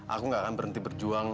aku gak akan berhenti berjuang